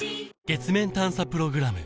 月面探査プログラム